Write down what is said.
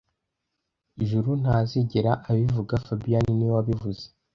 Juru ntazigera abivuga fabien niwe wabivuze